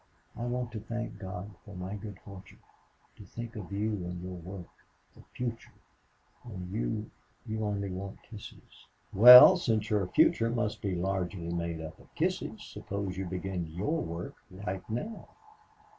"I want to thank God for my good fortune. To think of you and your work!... The future! And you you only want kisses." "Well, since your future must be largely made up of kisses, suppose you begin your work right now."